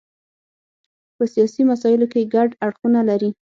په سیاسي مسایلو کې ګډ اړخونه لري.